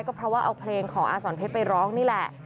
ก็เพราะเอาเพลงของอาศรภทรไปร้องนี่แหละ